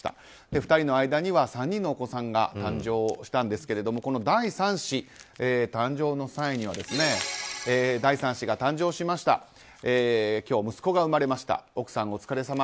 ２人の間には３人のお子さんが誕生したんですがこの第３子誕生の際には第３子が誕生しました今日息子が生まれました奥さんお疲れさま。